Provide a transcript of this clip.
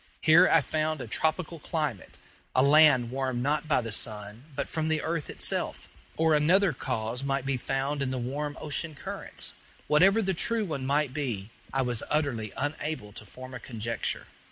Here I found a tropical climate a land warmed not by the sun, but from the earth itself. Or another cause might be found in the warm ocean currents. Whatever the true one might be, I was utterly unable to form a conjecture.